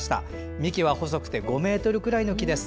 幹は細くて５ｍぐらいの木です。